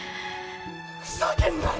ふざけんなよ！